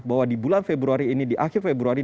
bahwa di bulan februari ini di akhir februari